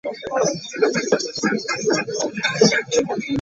Herrod and one other were acquitted.